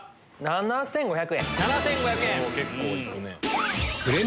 ７５００円。